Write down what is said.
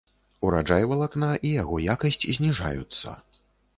Ураджай валакна і яго якасць зніжаюцца.